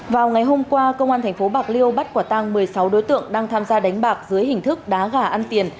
vào ngày hôm qua công an tp bạc liêu bắt quả tăng một mươi sáu đối tượng đang tham gia đánh bạc dưới hình thức đá gà ăn tiền